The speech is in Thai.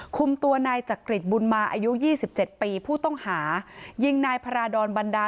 คุมตัวนายจักริตบุญมาอายุ๒๗ปีผู้ต้องหายิงนายพระราดรบรรดา